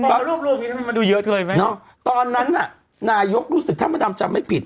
โถมันดูเยอะเถยไหมเนาะตอนนั้นน่ะนายกรู้สึกท่วมต่างจำไม่ผิด